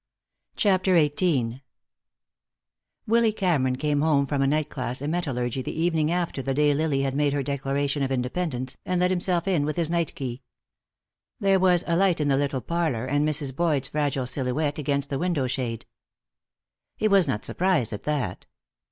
CHAPTER XVIII Willy Cameron came home from a night class in metallurgy the evening after the day Lily had made her declaration of independence, and let himself in with his night key. There was a light in the little parlor, and Mrs. Boyd's fragile silhouette against the window shade. He was not surprised at that.